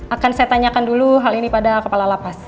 akan saya tanyakan dulu hal ini pada kepala lapas